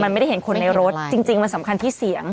มันไม่ได้เห็นคนในรถจริงมันสำคัญที่เสียง